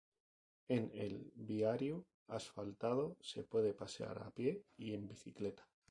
En el viario asfaltado se puede pasear a pie y en bicicleta.